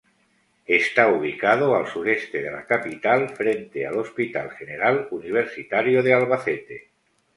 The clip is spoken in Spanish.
Está ubicado al sureste de la capital, frente al Hospital General Universitario de Albacete.